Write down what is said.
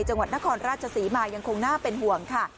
จังหวัดนครราชศรีมายังคงน่าเป็นห่วงค่ะ